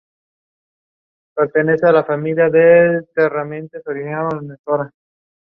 Singapore was among the options under consideration.